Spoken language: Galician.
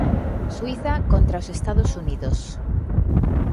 Suíza contra os Estados Unidos.